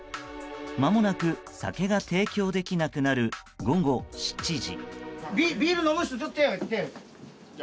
まもなく酒が提供できなくなる午後７時。